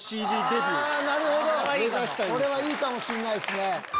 これはいいかもしれないですね！